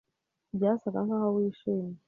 Byasaga nkaho wishimye.